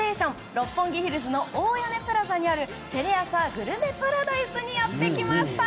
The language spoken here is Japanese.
六本木ヒルズの大屋根プラザにある「テレアサグルメパラダイス」にやってきました。